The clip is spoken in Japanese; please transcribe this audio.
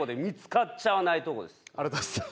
ありがとうございます。